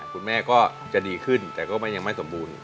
คุณแม่ก็จะดีขึ้นแต่ก็ยังไม่สมบูรณ์